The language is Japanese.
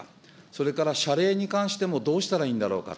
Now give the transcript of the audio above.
それから謝礼に関してもどうしたらいいんだろうか。